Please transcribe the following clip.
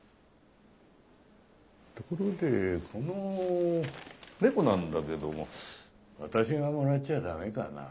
ところでこの猫なんだけども私がもらっちゃダメかな。